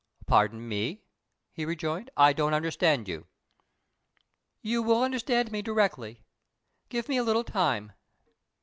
"Pardon me," he rejoined, "I don't understand you." "You will understand me directly. Give me a little time."